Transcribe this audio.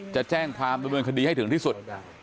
จะแจ้งความดำเนินคดีให้ถึงที่สุด